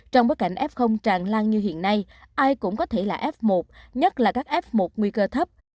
trong bối cảnh f tràn lan như hiện nay ai cũng có thể là f một nhất là các f một nguy cơ thấp